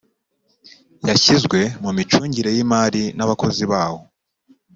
yashyizwe mu micungire y’imari n’abakozi bawo